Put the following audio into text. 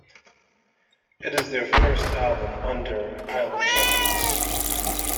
It is their first album under Island Records.